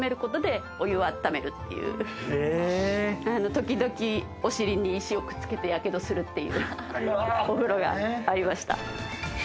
ときどきお尻に石をくっつけてやけどするっていうお風呂がありました。